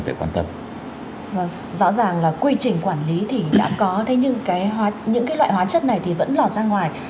rõ ràng là quy trình quản lý thì đã có thế nhưng những cái loại hóa chất này thì vẫn lọt ra ngoài